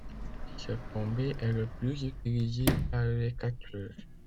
Ce tombé est le plus utilisé par les catcheurs.